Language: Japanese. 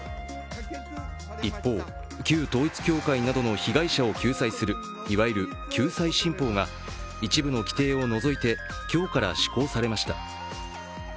一方、旧統一教会などの被害者を救済するいわゆる救済新法が一部の規定を除いて今日から施行されました。